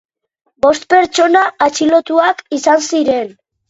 Bost pertsona atxilotuak izan ziren.